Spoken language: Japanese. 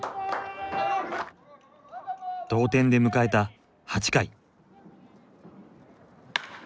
同点で迎えた８回。